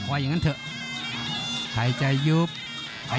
แขอสไฟ